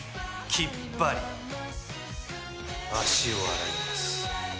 きっぱり足を洗います。